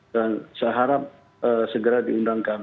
dan seharap segera diundangkan